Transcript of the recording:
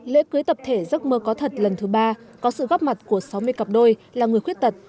lễ cưới tập thể giấc mơ có thật lần thứ ba có sự góp mặt của sáu mươi cặp đôi là người khuyết tật